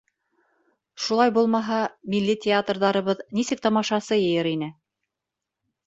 Шулай булмаһа, милли театрҙарыбыҙ нисек тамашасы йыйыр ине?